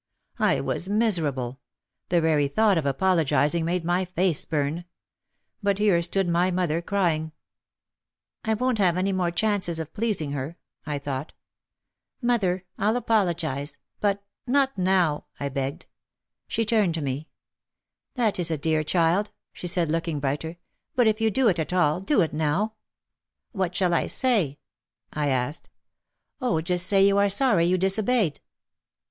I was miserable. The very thought of apologising made my face burn. But here stood mother crying. "I won't have many more chances of pleasing her," I thought. "Mother, I'll apologise, but — not now," I begged. She turned to me. "That is a dear child," she said, look ing brighter, "but if you do it at all, do it now." "What shall I say?" I asked. "Oh, just say you are sorry you disobeyed."